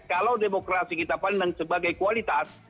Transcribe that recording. kalau demokrasi kita pandang sebagai kualitas